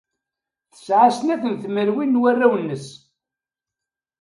Tesɛa snat n tmerwin n warraw-nnes.